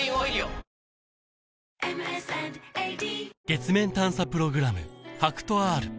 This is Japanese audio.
月面探査プログラム